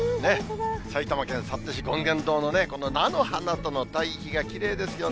埼玉県幸手市権現堂の菜の花との対比がきれいですよね。